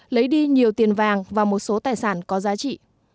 lấy đi nhiều tiền vàng và một số tài sản có giá trị